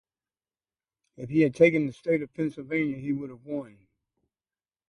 If he had taken the state of Pennsylvania he would have won.